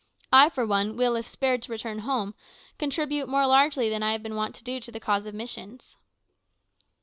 I, for one, will, if spared to return home, contribute more largely than I have been wont to do to the cause of missions."